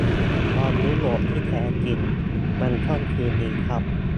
บอลยุโรปที่แท้จริงมันต้องคืนนี้ครับ !